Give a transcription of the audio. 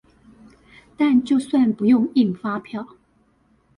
但就算不用印發票